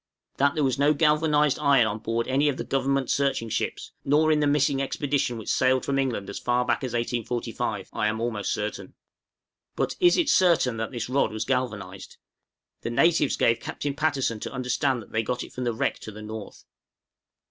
That there was no galvanized iron on board any of the Government searching ships, nor in the missing expedition which sailed from England as far back as 1845, I am almost certain. But is it certain that this rod was galvanized? The natives gave Captain Patterson to understand that they got it from the wreck to the north.